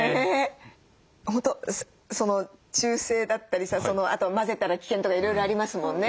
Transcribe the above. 本当中性だったりさあと「混ぜたら危険」とかいろいろありますもんね。